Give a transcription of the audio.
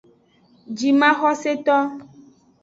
Jimaxoseto.